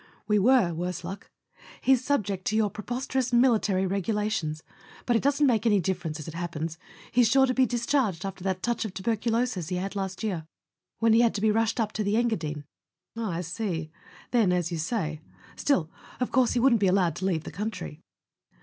"We were, worse luck. He's subject to your preposterous military regu¬ lations. But it doesn't make any difference, as it hap¬ pens. He's sure to be discharged after that touch of tuberculosis he had last year, when he had to be rushed up to the Engadine." "All, I see. Then, as you say. .. Still, of course he wouldn't be allowed to leave the country."